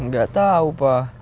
gak tau pa